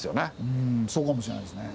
うんそうかもしれないですね。